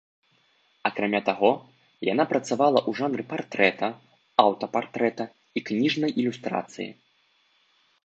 Акрамя таго, яна працавала ў жанры партрэта, аўтапартрэта і кніжнай ілюстрацыі.